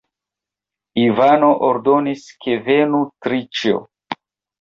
Ivano ordonis, ke venu Triĉjo.